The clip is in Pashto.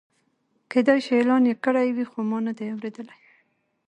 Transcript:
کېدای شي اعلان یې کړی وي خو ما نه دی اورېدلی.